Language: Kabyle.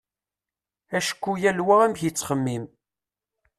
Acku yal wa amek yettxemmim.